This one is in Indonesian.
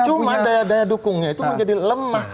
cuma daya daya dukungnya itu menjadi lemah